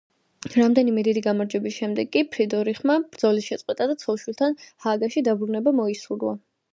რამდენიმე დიდი გამარჯვების შემდეგ კი ფრიდრიხმა ბრძოლის შეწყვეტა და ცოლ-შვილთან ჰააგაში დაბრუნება მოისურვა.